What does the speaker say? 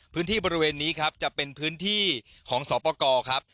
พื้นที่บริเวณนี้ครับจะเป็นพื้นที่ของสอปกรครับ